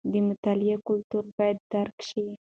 د مطالعې کلتور باید درک شي.